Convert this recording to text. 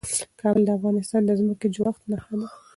کابل د افغانستان د ځمکې د جوړښت نښه ده.